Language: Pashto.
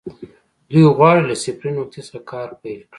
دوی غواړي له صفري نقطې څخه کار پيل کړي.